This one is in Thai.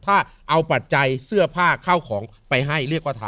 ถ้าเอาปัจจัยเสื้อผ้าเข้าของไปให้เรียกว่าทำ